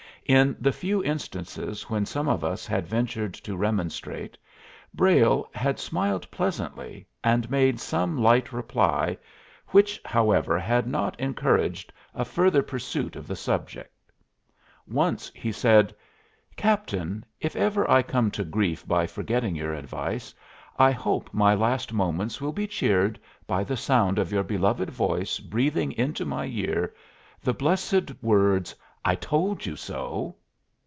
In the few instances when some of us had ventured to remonstrate, Brayle had smiled pleasantly and made some light reply, which, however, had not encouraged a further pursuit of the subject. Once he said: "Captain, if ever I come to grief by forgetting your advice, I hope my last moments will be cheered by the sound of your beloved voice breathing into my ear the blessed words, 'I told you so.'"